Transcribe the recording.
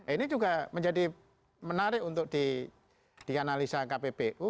ini juga menjadi menarik untuk dianalisa kppu